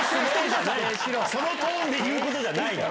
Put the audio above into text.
そのトーンで言うことじゃないよ。